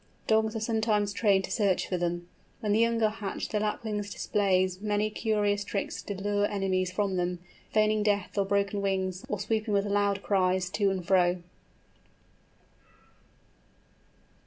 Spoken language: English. Dogs are sometimes trained to search for them. When the young are hatched the Lapwing displays many curious tricks to lure enemies from them, feigning death or broken wings, or swooping with loud cries to and fro.